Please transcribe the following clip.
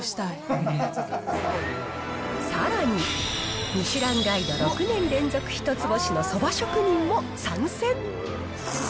さらに、ミシュランガイド６年連続一つ星のそば職人も参戦。